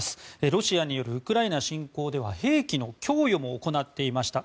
ロシアによるウクライナ侵攻では兵器の供与も行っていました。